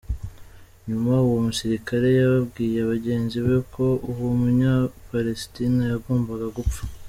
Nyuma uwo musirikare yabwiye bagenzi be ko uwo munyapalesitina yagombaga gupfa.